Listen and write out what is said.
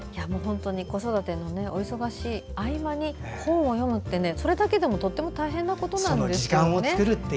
子育てのお忙しい合間に本を読むって、それだけでもとても大変なことなんですよね。